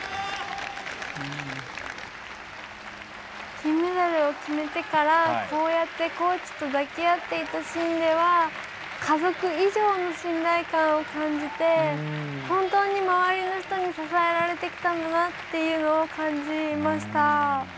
金メダルを決めてからコーチと抱き合うシーンでは家族以上の信頼感を感じて本当に周りの人に支えられてきたんだなというのを感じました。